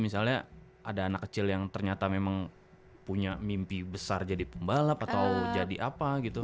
misalnya ada anak kecil yang ternyata memang punya mimpi besar jadi pembalap atau jadi apa gitu